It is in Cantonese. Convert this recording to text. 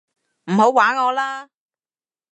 唔好玩我啦